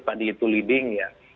tadi itu leading ya